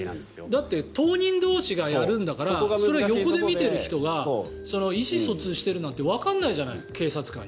だって、当人同士がやるんだからそれを横で見ている人が意思疎通しているなんてわからないじゃない。